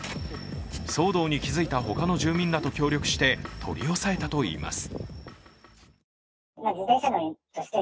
騒動に気づいた他の住民らと協力して取り押さえたといいます。